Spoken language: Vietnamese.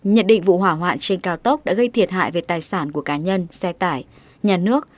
nhận định vụ hỏa hoạn trên cao tốc đã gây thiệt hại về tài sản của cá nhân xe tải nhà nước